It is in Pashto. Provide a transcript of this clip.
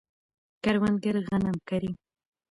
کروندګر غنم کري.